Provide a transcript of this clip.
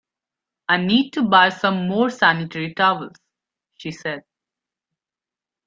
I need to buy some more sanitary towels, she said